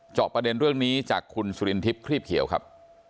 จอบประเด็นเรื่องนี้จากคุณสุรินทิพย์ครีบเขียวครับ